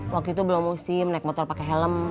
waktu itu belum musim naik motor pakai helm